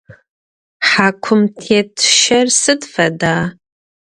Хьакум тет щэр сыд фэда?